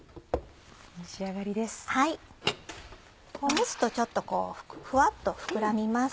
蒸すとちょっとこうふわっと膨らみます。